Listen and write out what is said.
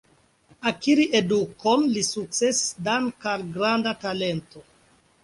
Akiri edukon li sukcesis dank al granda talento.